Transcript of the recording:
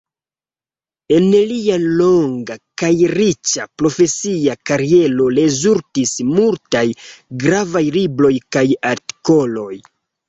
En lia longa kaj riĉa profesia kariero rezultis multaj gravaj libroj kaj artikoloj.